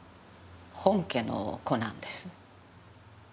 本家の子なんです。